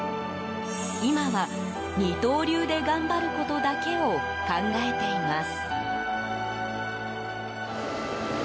今は、二刀流で頑張ることだけを考えています。